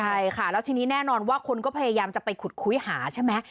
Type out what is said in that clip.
ใช่ค่ะแล้วทีนี้แน่นอนว่าคนก็พยายามจะไปขุดคุยหาใช่ไหม